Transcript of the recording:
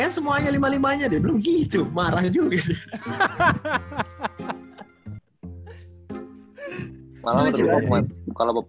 ya semuanya lima limanya dia bilang gitu marah juga dia